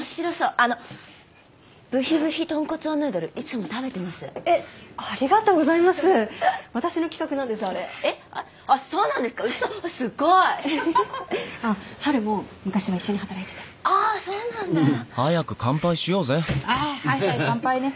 あはいはい乾杯ね。